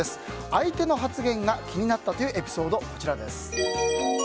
相手の発言が気になったというエピソード、こちらです。